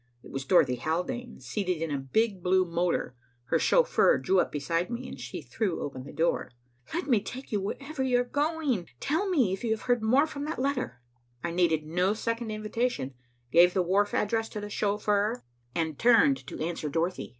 It was Dorothy Haldane, seated in a big blue motor. Her chauffeur drew up beside me, and she threw open the door. "Let me take you wherever you are going, and tell me if you have heard more from that letter." I needed no second invitation, gave the wharf address to the chauffeur, and turned to answer Dorothy.